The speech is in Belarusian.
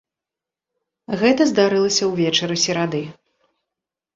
Гэта здарылася ўвечары серады.